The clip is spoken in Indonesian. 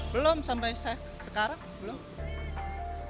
belum sampai sekarang